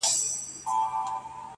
• ستا پر سره ګلاب چي و غوړېږمه..